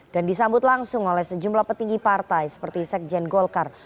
dan disambut langsung oleh sejumlah petinggi partai seperti sekjen golkar